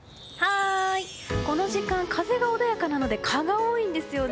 この時間、風が穏やかなので蚊が多いんですよね。